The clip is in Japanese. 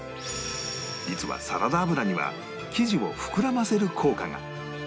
実はサラダ油には生地を膨らませる効果が